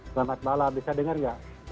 selamat malam bisa dengar nggak